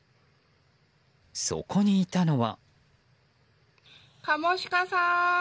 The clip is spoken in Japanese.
そこにいたのは。